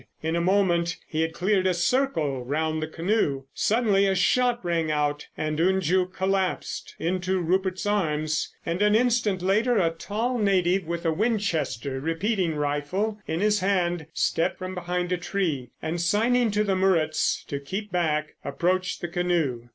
In a moment he had cleared a circle round the canoe. Suddenly a shot rang out, and Unju collapsed into Rupert's arms, and an instant later a tall native with a Winchester repeating rifle in his hand, stepped from behind a tree, and, signing to the Muruts to keep back, approached the canoe.